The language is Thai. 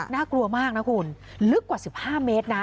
น่ากลัวมากนะคุณลึกกว่า๑๕เมตรนะ